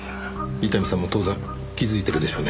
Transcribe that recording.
伊丹さんも当然気づいてるでしょうね。